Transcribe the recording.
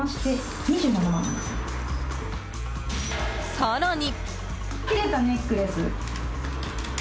更に。